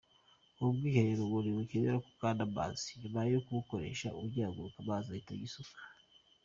Ubu bwiherero ngo ntibukenera ko ukanda akazi nyuma yo kubukoresha, ugihaguruka amazi ahita yisuka.